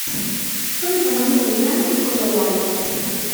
Son de tamaño mediano y cola larga.